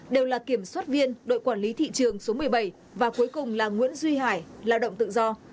đều là kiểm soát viên đội quản lý thị trường số một mươi bảy và cuối cùng là nguyễn duy hải lao động tự do